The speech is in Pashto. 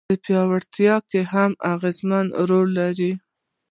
په پياوړتيا کي هم اغېزمن رول لري.